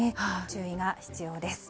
注意が必要です。